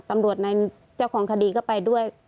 ตำรวจในเจ้าของคดีก็ไปด้วย